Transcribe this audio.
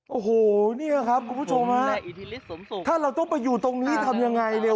โอ้โหเนี่ยครับคุณผู้ชมฮะถ้าเราต้องไปอยู่ตรงนี้ทำยังไงเนี่ย